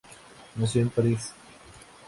Nació en París.